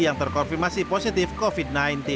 yang terkonfirmasi positif covid sembilan belas